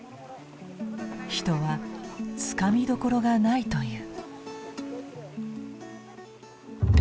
人はつかみどころがないという。